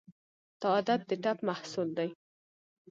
دا عادت د ټپ محصول دی.